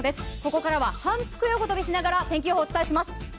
ここからは反復横跳びしながら天気予報をお伝えします。